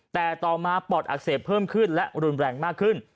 แต่ต่อมาปอดอักเสบเพิ่มขึ้นและรุนแรงมากขึ้น